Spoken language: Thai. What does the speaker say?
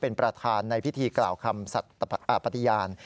เป็นประธานในพิธีกล่าวคำปฏิญาณ